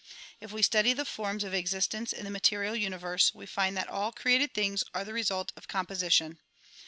If we study the forms of existence in the material universe, we find that ail created things are the result of composition.